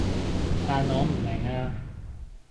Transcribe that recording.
但我唔明啊